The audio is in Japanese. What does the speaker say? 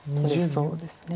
そうですね。